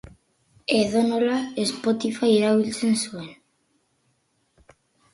Edonola, Spotify erabiltzen zuen.